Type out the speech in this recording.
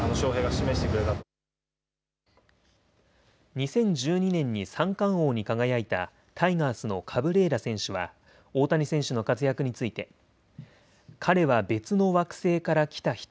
２０１２年に三冠王に輝いたタイガースのカブレーラ選手は大谷選手の活躍について彼は別の惑星から来た人。